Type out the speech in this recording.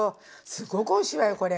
すごくおいしいわよこれ。